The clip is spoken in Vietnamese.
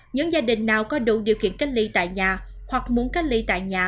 những gia đình nào có đủ điều kiện cách ly tại nhà hoặc muốn cách ly tại nhà